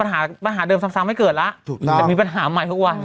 ปัญหาปัญหาเดิมซ้ำซ้ำไม่เกิดแล้วถูกต้องแต่มีปัญหาใหม่ทุกวัน